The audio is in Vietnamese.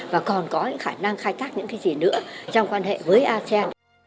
và còn có những khả năng khai thác những cái gì nữa trong quan hệ với asean